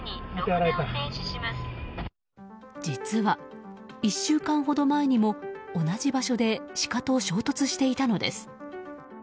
実は１週間ほど前にも同じ場所でシカと衝突していたのです。